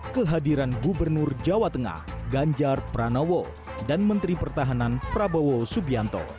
kehadiran gubernur jawa tengah ganjar pranowo dan menteri pertahanan prabowo subianto